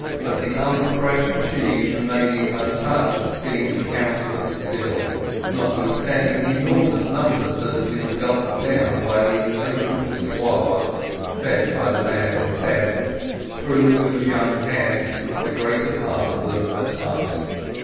But the unthreshed sheaves remaining untouched seemed countless still, notwithstanding the enormous numbers that had been gulped down by the insatiable swallower, fed by the man and Tess, through whose two young hands the greater part of them had passed.